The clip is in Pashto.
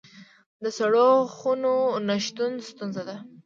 د سړو خونو نشتون ستونزه ده